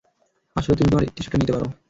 আসলে, তুমি তোমার টিস্যুটা নিতে পারো।